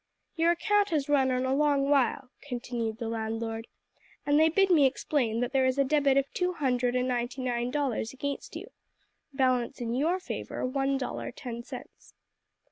"Your account has run on a long while," continued the landlord, "and they bid me explain that there is a debit of two hundred and ninety nine dollars against you. Balance in your favour one dollar ten cents."